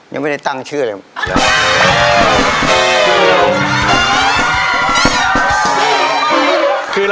ยังไม่ได้ตั้งชื่อเลย